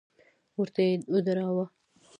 وره ته يې ودراوه.